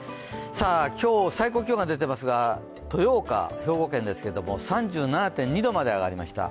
今日、最高気温が出ていますが兵庫県豊岡、３７．２度まで上がりました。